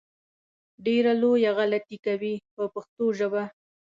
ډېره لویه غلطي کوي په پښتو ژبه.